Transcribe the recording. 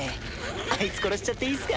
あいつ殺しちゃっていいっすか？